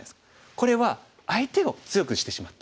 これは相手を強くしてしまった。